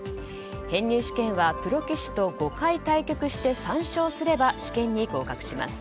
編入試験はプロ棋士と５回対局して３勝すれば試験に合格します。